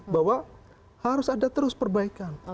bahwa harus ada terus perbaikan